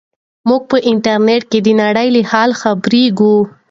موږ په انټرنیټ کې د نړۍ له حاله خبریږو.